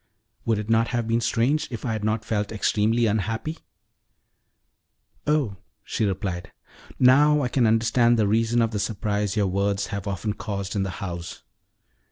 Would it not have been strange if I had not felt extremely unhappy?" "Oh," she replied, "now I can understand the reason of the surprise your words have often caused in the house!